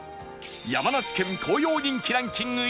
山梨県紅葉人気ランキング